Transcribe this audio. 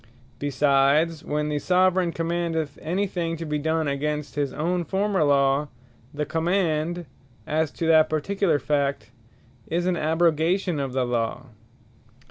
Besides, when the Soveraign commandeth any thing to be done against his own former Law, the Command, as to that particular fact, is an abrogation of the Law.